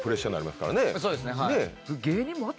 そうですねはい。